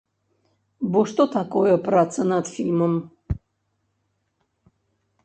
Бо што такое праца над фільмам?